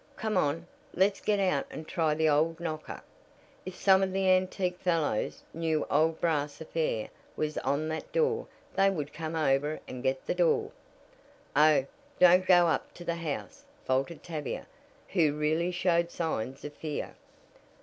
Come on, let's get out and try the old knocker. If some of the antique fellows knew old brass affair was on that door they would come over and get the door." "Oh, don't go up to the house," faltered Tavia, who really showed signs of fear.